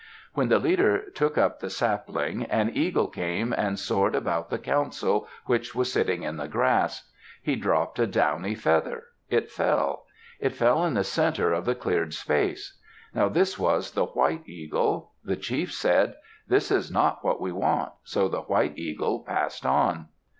When the leader took up the sapling, an eagle came and soared about the council which was sitting in the grass. He dropped a downy feather; it fell. It fell in the center of the cleared space. Now this was the white eagle. The chief said, "This is not what we want," so the white eagle passed on.